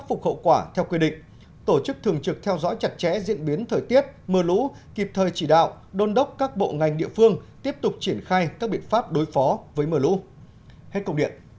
phục hậu quả theo quy định tổ chức thường trực theo dõi chặt chẽ diễn biến thời tiết mưa lũ kịp thời chỉ đạo đôn đốc các bộ ngành địa phương tiếp tục triển khai các biện pháp đối phó với mưa lũ hết công điện